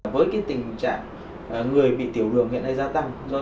với tình trạng người bị tiểu đường hiện nay gia tăng